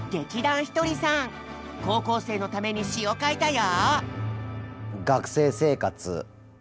高校生のために詞を書いたよ！